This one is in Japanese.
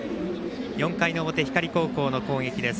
４回の表、光高校の攻撃です。